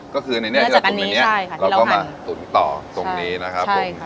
ก็คือในนี้ที่เราตุ๋นอันนี้เราก็มาตุ๋นต่อตรงนี้นะครับผม